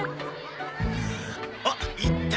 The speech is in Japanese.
あっいた！